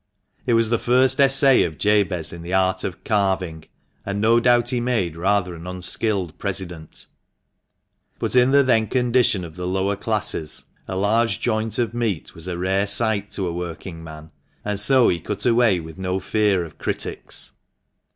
It was ^.. "ITrsi; essay of Jabez in the art of carving, and no doubt he made rather an unskilled president. But in the then 264 THE MANCHESTER MAN. condition of the lower classes a large joint of meat was a rare sight to a working man, and so he cut away with no fear of critics.